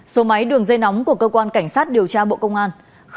số máy đường dây nóng của cơ quan cảnh sát điều tra bộ công an